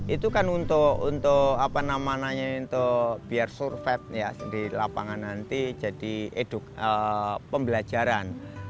itu kan untuk apa namanya biar surfeit di lapangan nanti jadi eduk pembelajaran